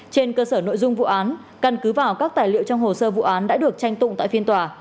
trên cơ sở nội dung vụ án căn cứ vào các tài liệu trong hồ sơ vụ án đã được tranh tụng tại phiên tòa